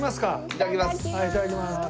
いただきます。